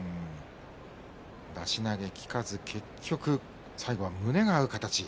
出し投げ、引かず結局、最後は胸が合う形に。